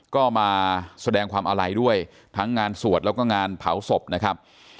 ก็มาแสดงความอาลัยด้วยทั้งงานสวดแล้วก็งานเผาศพนะครับ